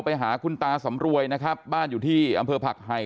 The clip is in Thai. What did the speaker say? ไปหาคุณตาสำรวยนะครับบ้านอยู่ที่อำเภอผักไห่